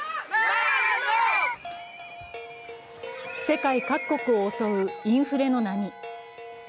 世界各国を襲うインフレの波。